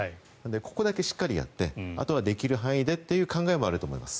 ここだけしっかりやってあとはできる範囲でという考えもあると思います。